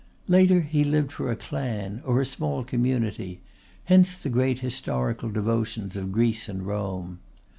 Later, he lived for a clan, or a small community; hence the great historical devotions of Greece and Rome.